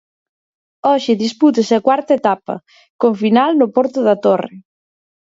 Hoxe dispútase a cuarta etapa, con final no porto da Torre.